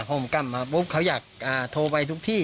ผมกลับมาปุ๊บเขาอยากโทรไปทุกที่